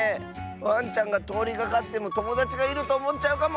ワンちゃんがとおりがかってもともだちがいるとおもっちゃうかも！